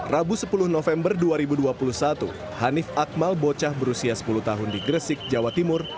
rabu sepuluh november dua ribu dua puluh satu hanif akmal bocah berusia sepuluh tahun di gresik jawa timur